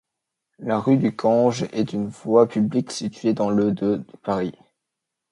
La rue du Cange est une voie publique située dans le de Paris.